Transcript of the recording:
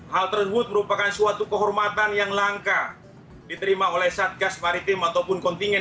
hal tersebut merupakan suatu kehormatan yang langka diterima oleh satgas maritim ataupun kontingen